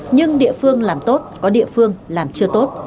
nhưng địa phương làm tốt có địa phương làm chưa tốt